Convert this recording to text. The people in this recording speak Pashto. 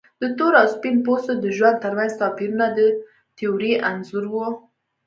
د تور او سپین پوستو د ژوند ترمنځ توپیرونه د تیورۍ انځور و.